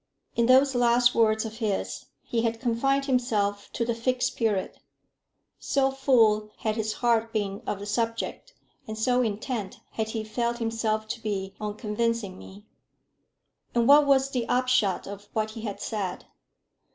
In those last words of his he had confined himself to the Fixed Period, so full had his heart been of the subject, and so intent had he felt himself to be on convincing me. And what was the upshot of what he had said?